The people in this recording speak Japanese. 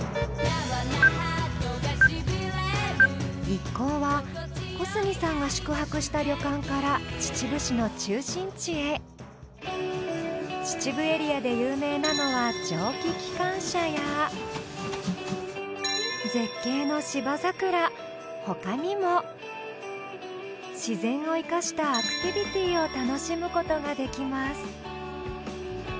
一行は小杉さんが宿泊した旅館から秩父市の中心地へ秩父エリアで有名なのは絶景の他にも自然を生かしたアクティビティーを楽しむことができます